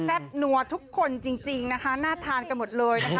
บนัวทุกคนจริงนะคะน่าทานกันหมดเลยนะคะ